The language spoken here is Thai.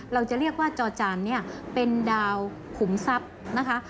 เราจะเรียกว่าจอจานเนี่ยเป็นดาวขุมทรัพย์นะคะ